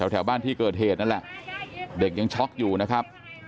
แถวบ้านที่เกิดเหตุนั่นแหละเด็กยังช็อกอยู่นะครับ